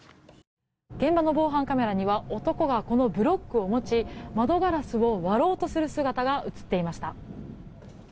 現場の防犯カメラには男がこのブロックを持ち窓ガラスを割ろうとする姿が映っていました。